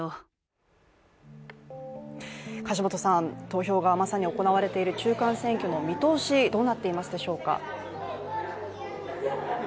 投票がまさに行われている中間選挙の見通しどうなっているでしょうか。